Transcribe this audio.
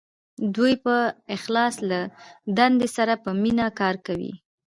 دوی په اخلاص او له دندې سره په مینه کار کوي.